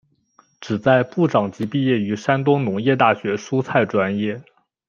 旨在部长级毕业于山东农业大学蔬菜专业。